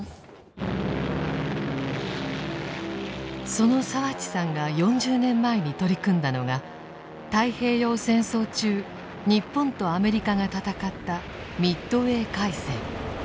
その澤地さんが４０年前に取り組んだのが太平洋戦争中日本とアメリカが戦ったミッドウェー海戦。